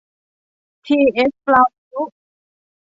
ที เอส ฟลาวมิลล์